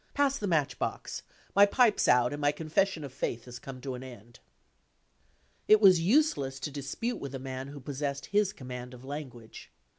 Pass the match box. My pipe's out, and my confession of faith has come to an end." It was useless to dispute with a man who possessed his command of language.